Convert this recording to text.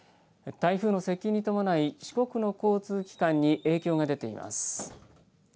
台風の接近に伴い四国の交通機関に影響が出ています。